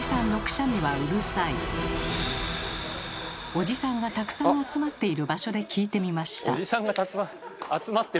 おじさんがたくさん集まっている場所で聞いてみました。